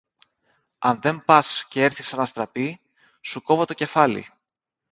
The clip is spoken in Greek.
Αν δεν πας κι έρθεις σαν αστραπή, σου κόβω το κεφάλι!